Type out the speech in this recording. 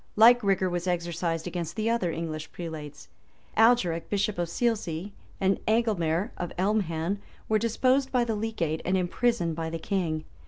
Like rigor was exercised against the other English prelates: Agelric, bishop of Selesey, and Agelmare, of Elmham, were deposed by the legate, and imprisoned by the king.